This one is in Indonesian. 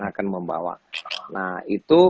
akan membawa nah itu